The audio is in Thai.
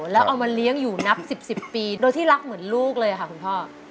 แล้วเอามาเลี้ยงอยู่นับ๑๐ปีโดยที่รักเหมือนลูกเลยค่ะคุณพ่อ